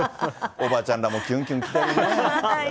おばちゃんらも、きゅんきゅんきてるね。